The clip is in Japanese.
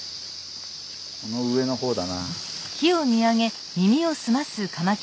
この上の方だな。